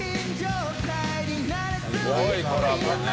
「すごいコラボね」